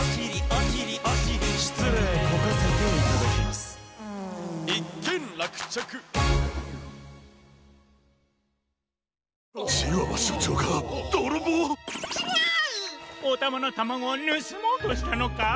おたまのタマゴをぬすもうとしたのか？